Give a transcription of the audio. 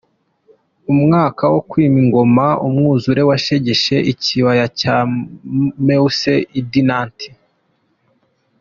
Umwaka wo kwima ingoma, umwuzure washegeshe ikibaya cya Meuse, i Dinant.